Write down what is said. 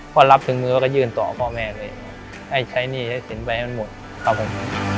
พอรับถึงมือก็ยื่นต่อพ่อแม่ตัวเองให้ใช้หนี้ใช้สินไปให้มันหมดครับผม